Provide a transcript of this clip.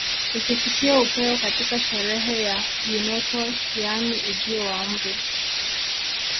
Ikifikia upeo katika sherehe ya eunoto yaani ujio wa umri